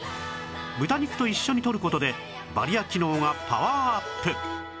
豚肉と一緒にとる事でバリア機能がパワーアップ